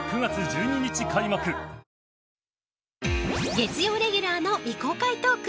月曜レギュラーの未公開トーク